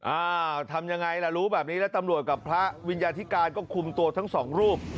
อ้าวทำยังไงล่ะรู้แบบนี้แล้วตำรวจกับพระวิญญาธิการก็คุมตัวทั้งสองรูป